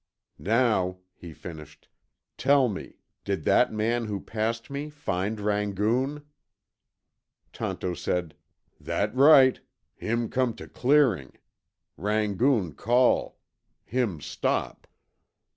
"Now," he finished, "tell me, did that man who passed me find Rangoon?" Tonto said, "That right. Him come to clearing. Rangoon call. Him stop."